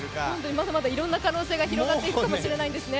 まだまだいろんな可能性が広がっていくかもしれないんですね